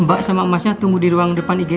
mbak sama emasnya tunggu di ruang depan igd ya